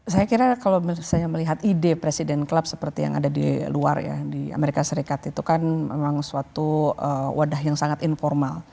saya kira kalau misalnya melihat ide presiden club seperti yang ada di luar ya di amerika serikat itu kan memang suatu wadah yang sangat informal